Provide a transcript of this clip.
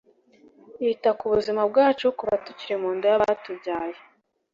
yita ku buzima bwacu kuva tukiri mu nda y’abatubyaye,